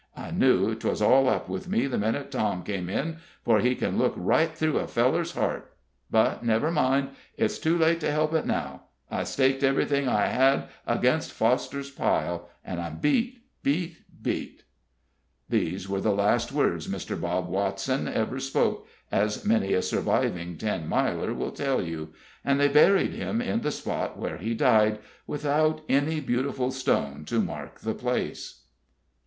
I knew 'twas all up with me the minute Tom came in, for he can look right through a feller's heart. But never mind! It's too late to help it now. I staked everything I had against Foster's pile, and I'm beat, beat, beat!" These were the last words Mr. Bob Watson ever spoke, as many a surviving Ten Miler will tell you, and they buried him in the spot where he died, without any beautiful stone to mark the place.